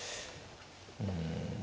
うん